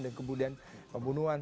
dan kemudian pembunuhan